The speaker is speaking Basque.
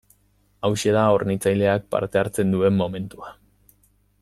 Hauxe da hornitzaileak parte hartzen duen momentua.